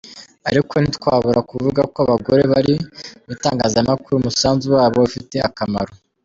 Ariko ntitwabura kuvuga ko abagore bari mu itangazamakuru umusanzu wabo ufite akamaro.